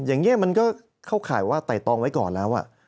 อย่างนี้มันก็เข้าข่ายว่าไต่ตองไว้ก่อนแล้ว